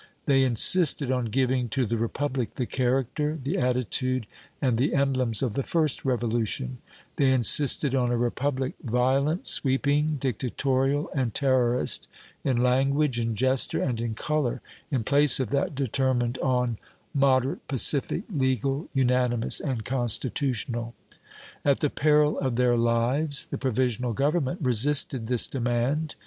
They insisted on giving to the Republic the character, the attitude and the emblems of the first Revolution they insisted on a Republic violent, sweeping, dictatorial and terrorist, in language, in gesture and in color, in place of that determined on, moderate, pacific, legal, unanimous and constitutional. At the peril of their lives the Provisional Government resisted this demand.